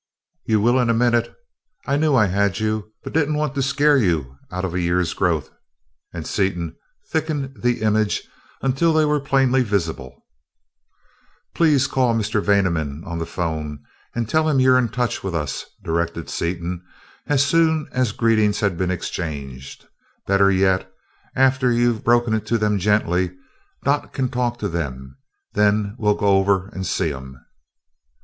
"You will in a minute. I knew I had you, but didn't want to scare you out of a year's growth," and Seaton thickened the image until they were plainly visible. "Please call Mr. Vaneman on the phone and tell him you're in touch with us," directed Seaton as soon as greetings had been exchanged. "Better yet, after you've broken it to them gently, Dot can talk to them, then we'll go over and see 'em."